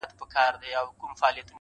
خو ذهنونه لا هم زخمي دي,